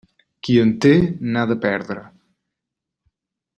Qui en té, n'ha de perdre.